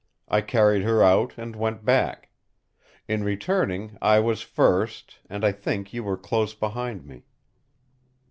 I carried her out and went back. In returning, I was first; and I think you were close behind me."